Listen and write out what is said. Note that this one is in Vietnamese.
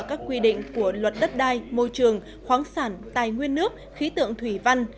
các quy định của luật đất đai môi trường khoáng sản tài nguyên nước khí tượng thủy văn